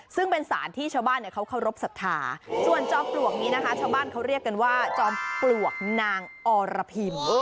ซึ่งเป็นสารที่ชาวบ้านเขาเคารพสัทธาส่วนจอมปลวกนี้นะคะชาวบ้านเขาเรียกกันว่าจอมปลวกนางอรพิม